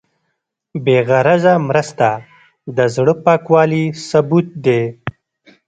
بېغرضه مرسته د زړه پاکوالي ثبوت دی.